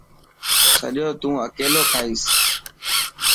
سڄو تون اڪيلو کائيس.